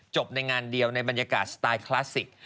ในงานเดียวในบรรยากาศสไตล์คลาสสิก